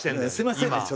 すいませんね